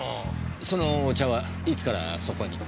そのお茶はいつからそこに？